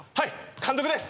監督です。